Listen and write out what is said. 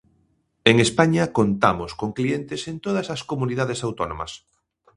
En España, contamos con clientes en todas as comunidades autónomas.